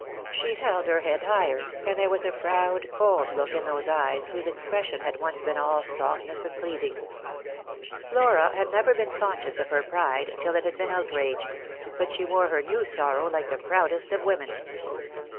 She held her head higher, and there was a proud cold look in those eyes, whose expression had once been all softness and pleading. Flora had never been conscious of her pride till it had been outraged : but she wore her new sorrow like the proudest of women.